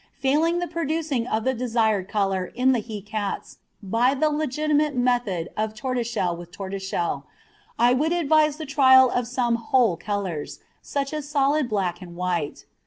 Failing the producing of the desired colour in the he cats by the legitimate method of tortoiseshell with tortoiseshell, I would advise the trial of some whole colours, such as solid black and white.